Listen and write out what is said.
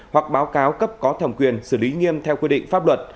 hoặc báo cáo cấp có thầm quyền xử lý nghiêm theo quy định pháp luật